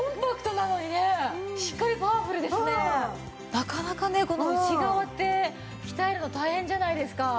なかなかねこの内側って鍛えるの大変じゃないですか。